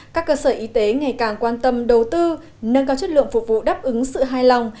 các cơ sở y tế ngày càng quan tâm đầu tư nâng cao chất lượng phục vụ đáp ứng sự hài lòng